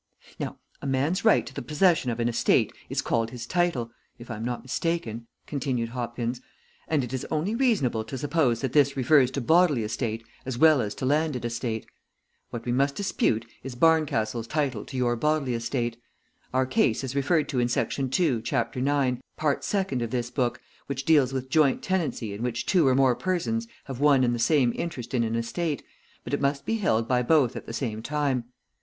"Now a man's right to the possession of an estate is called his title, if I am not mistaken," continued Hopkins, "and it is only reasonable to suppose that this refers to bodily estate as well as to landed estate. What we must dispute is Barncastle's title to your bodily estate. Our case is referred to in section two, chapter nine, part second of this book, which deals with joint tenancy in which two or more persons have one and the same interest in an estate, but it must be held by both at the same time.